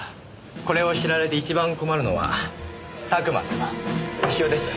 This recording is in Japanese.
これを知られて一番困るのは佐久間と潮です。